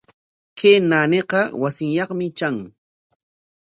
Kay naaniqa wasinyaqmi tran.